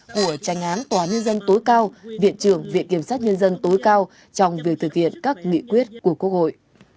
của tranh án tòa án nhân dân tối cao viện trưởng viện kiểm sát nhân dân tối cao trong việc thực hiện các nghị quyết của quốc hội